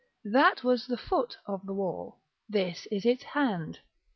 That was the foot of the wall; this is its hand.